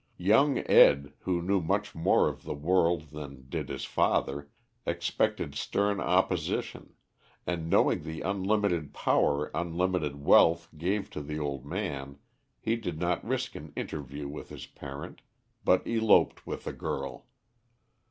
Young Ed., who knew much more of the world than did his father, expected stern opposition, and, knowing the unlimited power unlimited wealth gave to the old man, he did not risk an interview with his parent, but eloped with the girl.